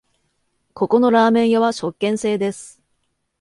ここのラーメン屋は食券制です